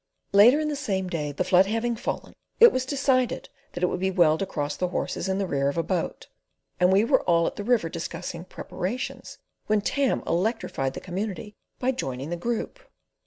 Later in the same day, the flood having fallen, it was decided that it would be well to cross the horses in the rear of a boat, and we were all at the river discussing preparations, when Tam electrified the community by joining the group.